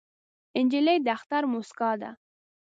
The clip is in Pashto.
نجلۍ د اختر موسکا ده.